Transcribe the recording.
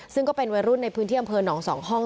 ซึ่งก็เป็นวัยรุ่นในพื้นที่อำเภอหนอง๒ห้อง